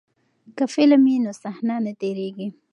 که فلم وي نو صحنه نه تیریږي.